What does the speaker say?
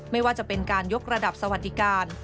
ไม่ว่าจะเป็นการยกระดับสวัสดิการ